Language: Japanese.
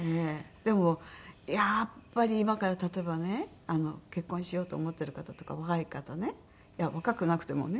でもやっぱり今から例えばね結婚しようと思ってる方とか若い方ねいや若くなくてもね。